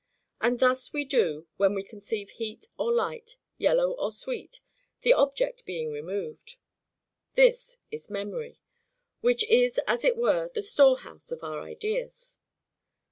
And thus we do, when we conceive heat or light, yellow or sweet,—the object being removed. This is MEMORY, which is as it were the storehouse of our ideas.